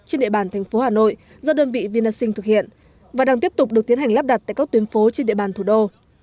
trên địa bàn thành phố hà nội do đơn vị vinasing thực hiện và đang tiếp tục được tiến hành lắp đặt tại các tuyến phố trên địa bàn thủ đô